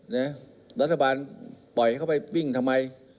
เนี่ยรัฐบาลปล่อยเขาไปวิ่งทำไม